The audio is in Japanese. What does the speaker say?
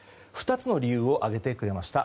２つの理由を挙げてくれました。